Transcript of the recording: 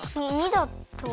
②だと。